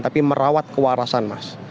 tapi merawat kewarasan mas